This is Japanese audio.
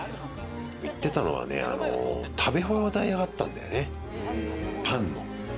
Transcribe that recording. いってたのはね、食べ放題があったんでね、パンの。